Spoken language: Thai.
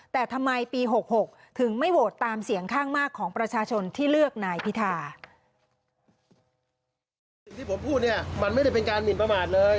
แต่ทำไมปี๖๖ถึงไม่โหวตตามเสียงข้างมากของประชาชนที่เลือกนายพิธา